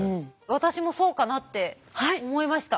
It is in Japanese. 私もそうかなって思いました。